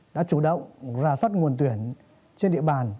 đã chủ động ra soát nguồn tuyển trên địa bàn